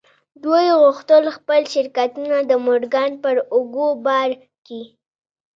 دوی غوښتل خپل شرکتونه د مورګان پر اوږو بار کړي.